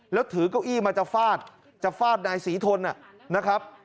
แล้วถือเก้าอี้มาจะฟาดจะฟาดนายศรีทนนะครับ